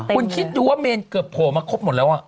คุณคิดดูว่าเมนเกือบโผล่มาครบหมดแล้ว